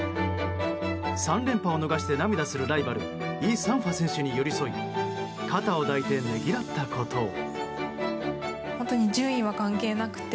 ３連覇を逃して涙するライバルイ・サンファ選手に寄り添い肩を抱いてねぎらったことを。